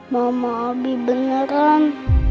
mama abi beneran